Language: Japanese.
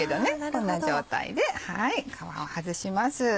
こんな状態で皮を外します。